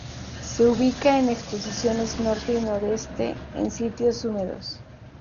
Se ubica en exposiciones norte y noreste, en sitios húmedos.